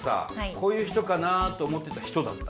こういう人かなと思ってた人だった？